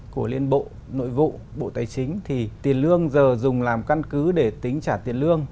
của liên bộ nội vụ bộ tài chính thì tiền lương giờ dùng làm căn cứ để tính trả tiền lương